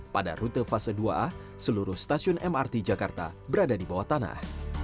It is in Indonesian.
pada rute fase dua a seluruh stasiun mrt jakarta berada di bawah tanah